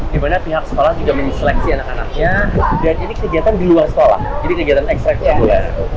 dimana pihak sekolah juga menyeleksi anak anaknya dan ini kegiatan di luar sekolah jadi kegiatan ekstraksi yang mulia